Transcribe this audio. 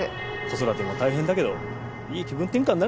子育ても大変だけどいい気分転換になるでしょ。